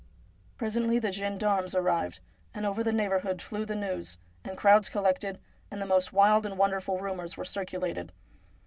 Presently the gendarmes arrived, and over the neighbour hood flew the news, and crowds collected, and the most wild and wonderful rumours were circulated.